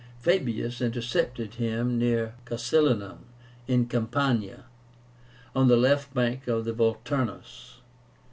Fabius intercepted him near Casilinum, in Campania, on the left bank of the Volturnus.